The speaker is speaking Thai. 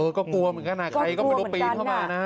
เออก็กลัวเหมือนกันใครก็ไม่รู้ปีเท่าไหร่นะ